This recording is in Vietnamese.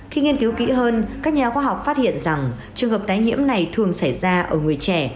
khi nghiên cứu kỹ hơn các nhà khoa học phát hiện rằng trường hợp tái nhiễm này thường xảy ra ở người trẻ